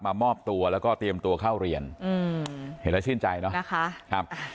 มามอบตัวแล้วก็เตรียมตัวเข้าเรียนเห็นแล้วชื่นใจเนอะ